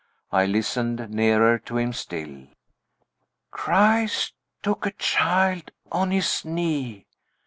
I listened, nearer to him still. "Christ took a child on His knee.